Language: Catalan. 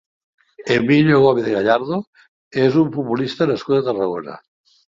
Emilio Gómez Gallardo és un futbolista nascut a Tarragona.